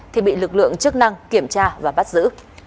thì bị lực lượng chức năng kiểm tra và bắt giữ